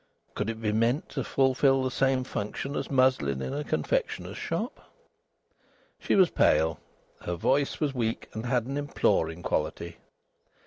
Could it be meant to fulfil the same function as muslin in a confectioner's shop? She was pale. Her voice was weak and had an imploring quality.